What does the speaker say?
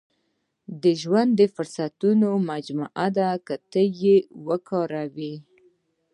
• ژوند د فرصتونو مجموعه ده، که ته یې وکاروې.